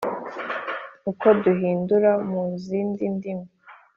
Uko duhindura mu zindi ndimi